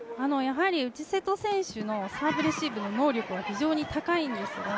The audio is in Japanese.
内瀬戸選手のサーブレシーブ能力は非常に高いんです。